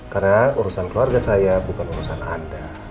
karena urusan keluarga saya bukan urusan anda